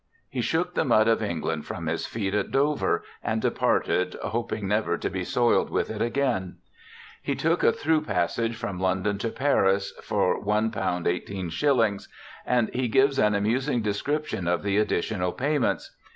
He shook the mud of England from his feet at Dover, and departed, hoping never to be soiled with it again. He took a through passage from London to Paris for £1 185., and he gives an amusing description of the additional payments.